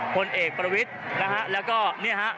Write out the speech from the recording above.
ผลเอกประวิทย์นะฮะแล้วก็เนี่ยฮะ